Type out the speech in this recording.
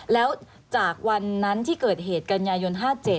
แล้วจากวันนั้นที่เกิดเหตุกันยายน๕๗